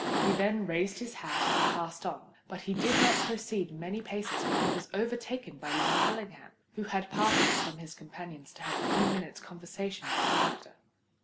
He then raised his hat and passed on; but he had not proceeded many paces, when he was overtaken by Lord Ellingham, who had parted from his companions to have a few minutes' conversation with the doctor.